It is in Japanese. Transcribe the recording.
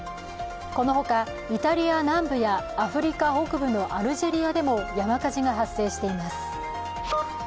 このほか、イタリア南部やアフリカ北部のアルジェリアでも山火事が発生しています。